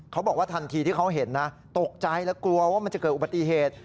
เขาบอกว่าทันทีที่เขาเห็นนะตกใจและกลัวว่ามันจะเกิดอุบัติเหตุ